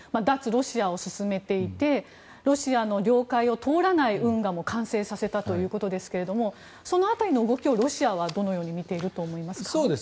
ロシアを進めていてロシアの領海を通らない運河も完成させたということですけれどもその辺りの動きをロシアはどのように見ていると思いますか。